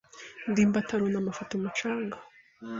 ndimbati arunama afata umucanga.